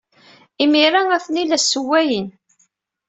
Imir-a, atni la ssewwayen.